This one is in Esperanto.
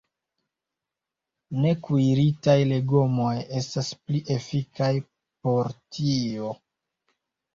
Nekuiritaj legomoj estas pli efikaj por tio.